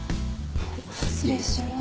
失礼します。